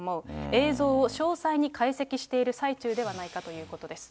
映像を詳細に解析している最中ではないかということです。